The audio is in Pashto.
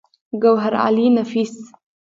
ګوهرعلي نفيس